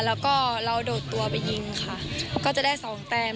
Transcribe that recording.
แล้วก็เราโดดตัวไปยิงค่ะก็จะได้สองแต้ม